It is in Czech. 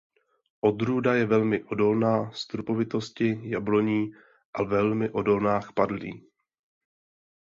Odrůda je velmi odolná strupovitosti jabloní a velmi odolná k padlí.